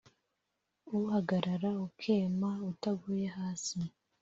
ugahagarara ukema utaguye hasi